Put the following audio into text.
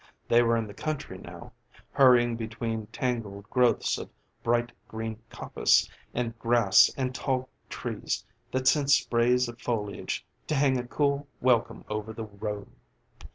They were in the country now, hurrying between tangled growths of bright green coppice and grass and tall trees that sent sprays of foliage to hang a cool welcome over the road.